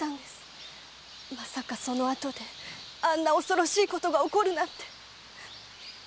まさかその後であんな恐ろしいことが起こるなんて。